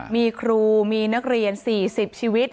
มีครูมีนักเรียน๔๐ชีวิต